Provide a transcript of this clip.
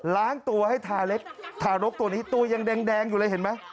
ล้างตัวให้ทาเล็กทารกตัวนี้ตัวยังแดงอยู่เลยเห็นไหม